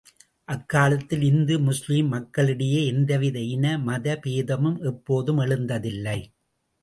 அக்காலத்தில் இந்து முஸ்லீம் மக்களிடையே எந்த வித இன, மத பேதமும் எப்போதும் எழுந்ததில்லை.